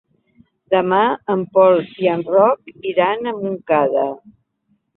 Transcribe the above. Demà en Pol i en Roc iran a Montcada.